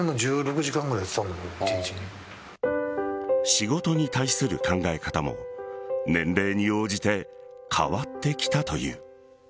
仕事に対する考え方も年齢に応じて変わってきたという。